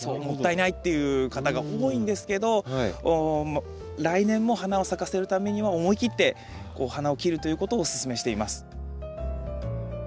もったいないっていう方が多いんですけど来年も花を咲かせるためには思い切って花を切るということをおすすめしています。